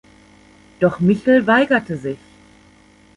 Doch Michel weigerte sich.